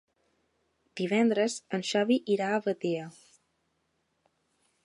Divendres en Xavi irà a Batea.